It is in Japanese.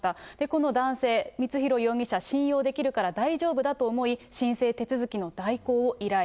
この男性、光弘容疑者、信用できるから大丈夫だと思い、申請手続きの代行を依頼。